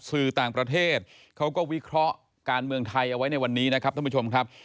สื่อต่างประเทศเขาก็วิเคราะห์การเมืองไทยเอาไว้ในวันนี้นะครับท่านผู้ชมครับ